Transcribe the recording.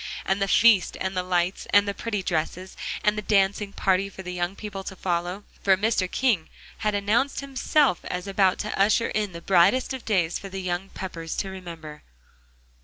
And the feast and the lights, and the pretty dresses, and the dancing party for the young people to follow. For Mr. King had announced himself as about to usher in the brightest of days for the young Peppers to remember.